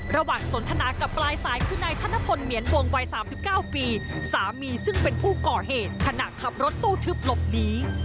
สนทนากับปลายสายคือนายธนพลเหมียนวงวัย๓๙ปีสามีซึ่งเป็นผู้ก่อเหตุขณะขับรถตู้ทึบหลบหนี